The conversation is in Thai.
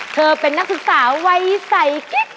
เธอเป็นนักศึกษาวัยใส่กิ๊ก